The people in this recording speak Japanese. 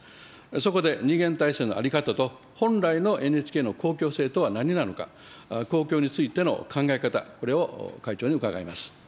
そこで二元体制の在り方と本来のＮＨＫの公共性とは何なのか、公共についての考え方、これを会長に伺います。